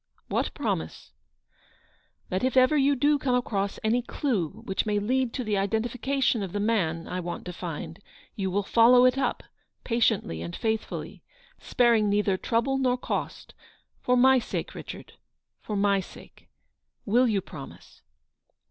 " What promise ?"" That if ever you do come across any clue which may lead to the identification of the man I want to find, you will follow it up, patiently and faithfully, sparing neither trouble nor cost; for my sake, Richard, for my sake. Will you pro mise